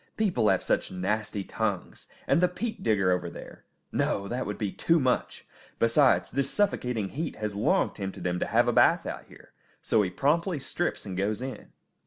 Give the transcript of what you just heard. People have such nasty tongues. And the peat digger over there! No, that would be too much! Besides, this suffocating heat has long tempted him to have a bath out here, so he promptly strips and goes in.